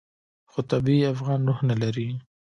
خو طبیعي افغاني روح نه لري.